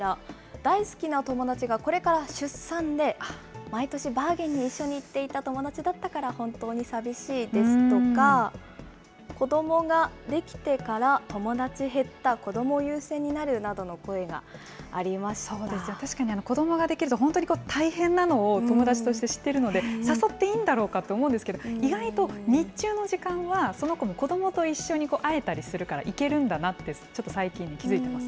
大好きな友達がこれから出産で、毎年バーゲンに一緒に行っていた友達だったから本当に寂しいですとか、子どもができてから友達減った、子ども優先になるなどの声がありましそうですね、確かに子どもができると、大変なのを友達として知っているので、誘っていいんだろうかって思うんですけど、意外と日中の時間は、その子の子どもと一緒に会えたりするから、行けるんだなって、ちょっと最近、気付いてます。